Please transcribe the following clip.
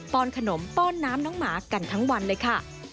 ้อนขนมป้อนน้ำน้องหมากันทั้งวันเลยค่ะ